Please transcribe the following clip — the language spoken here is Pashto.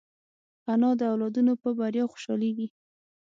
انا د اولادونو په بریا خوشحالېږي